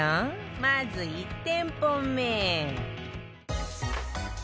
まず１店舗目